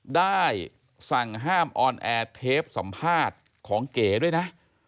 ได้สั่งห้ามออนแอร์เทปสัมภาษณ์ของเก๋ด้วยนะ